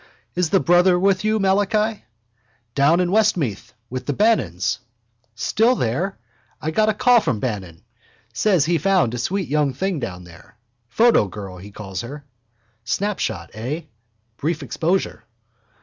—Is the brother with you, Malachi? —Down in Westmeath. With the Bannons. —Still there? I got a card from Bannon. Says he found a sweet young thing down there. Photo girl he calls her. —Snapshot, eh? Brief exposure.